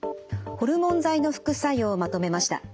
ホルモン剤の副作用をまとめました。